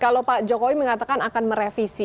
kalau pak jokowi mengatakan akan merevisi